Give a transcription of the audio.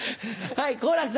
はい。